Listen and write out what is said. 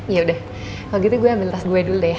yaudah kalau gitu gue ambil tas gue dulu deh ya